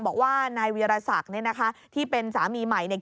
บอกว่านายวีรศักดิ์เนี่ยนะคะที่เป็นสามีใหม่เนี่ย